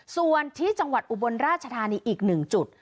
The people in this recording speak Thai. ส่วนที่จังหวัดอุบลราชธานีอีก๑จุด